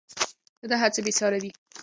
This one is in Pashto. د ده هڅې بې ساري دي.